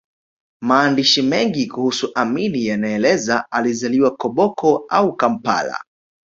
Maandishi mengi kuhusu amini yanaeleza alizaliwa Koboko au Kampala